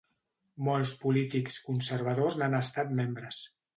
Molts polítics conservadors n'han estat membres.